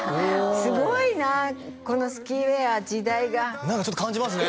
すごいなこのスキーウエア時代が何かちょっと感じますね